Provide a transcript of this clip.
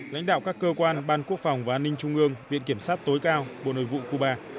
lãnh đạo các cơ quan ban quốc phòng và an ninh trung ương viện kiểm sát tối cao bộ nội vụ cuba